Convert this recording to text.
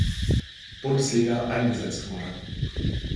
Bundesliga eingesetzt wurde.